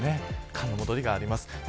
寒の戻りもあります。